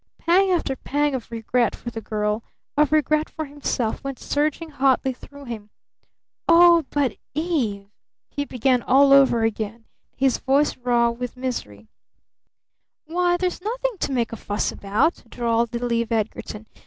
Pang after pang of regret for the girl, of regret for himself, went surging hotly through him. "Oh, but Eve!" he began all over again. His voice was raw with misery. "Why, there's nothing to make a fuss about," drawled little Eve Edgarton.